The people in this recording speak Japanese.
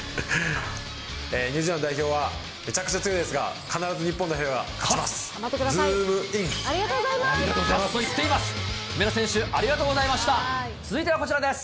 ニュージーランド代表はめちゃくちゃ強いですが、必ず日本代表が勝ちます。